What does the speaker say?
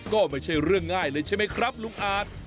ก็ไม่ใช่เรื่องง่ายเลยใช่ไหมครับลุงอาจ